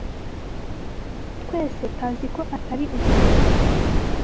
Twese taziko atari ukuri.